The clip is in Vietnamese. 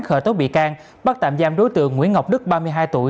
khởi tố bị can bắt tạm giam đối tượng nguyễn ngọc đức ba mươi hai tuổi